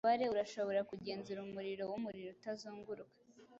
Umubare urashobora kugenzura umuriro wumuriro utazunguruka;